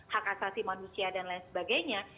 hak asasi manusia dan lain sebagainya